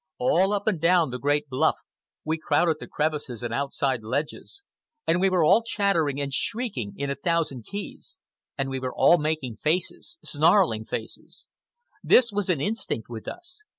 All up and down the great bluff, we crowded the crevices and outside ledges, and we were all chattering and shrieking in a thousand keys. And we were all making faces—snarling faces; this was an instinct with us.